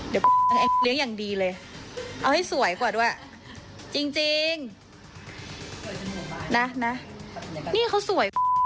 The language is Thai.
เดี๋ยวเลี้ยงอย่างดีเลยเอาให้สวยกว่าด้วยจริงนะนะนี่เขาสวย